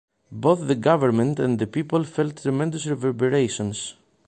Both the government and the people felt the tremendous reverberations.